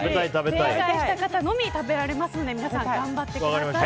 正解した方のみ食べられますので皆さん、頑張ってください。